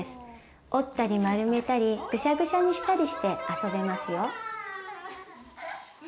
折ったり丸めたりぐしゃぐしゃにしたりして遊べますよ。